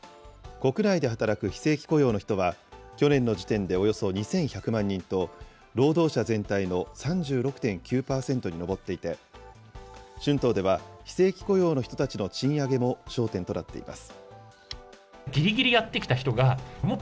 国内で働く非正規雇用の人は、去年の時点でおよそ２１００万人と、労働者全体の３６．９％に上っていて、春闘では、非正規雇用の人たちの賃上げも焦点となっています。